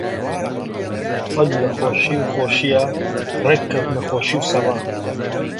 سەگ لە خۆشی خۆشییا ڕێک کەوتنە خۆشی و سەما